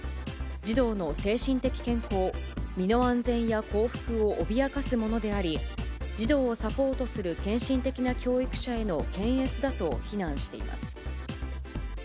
児童の精神的健康、身の安全や幸福を脅かすものであり、児童をサポートする献身的な教育者への検閲だと非難しています。